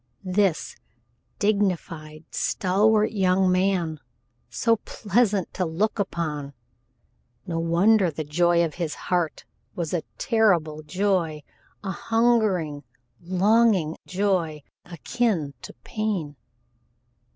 This dignified, stalwart young man, so pleasant to look upon no wonder the joy of his heart was a terrible joy, a hungering, longing joy akin to pain!